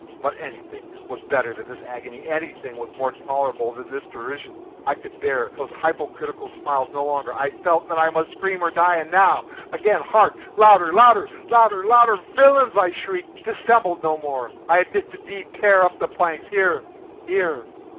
But anything was better than this agony! Anything was more tolerable than this derision! I could bear those hypocritical smiles no longer! I felt that I must scream or die! and now—again!—hark! louder! louder! louder! louder! "Villains!" I shrieked, "dissemble no more! I admit the deed!—tear up the planks!—here, here!